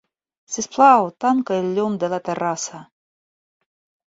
Sisplau, tanca el llum de la terrassa.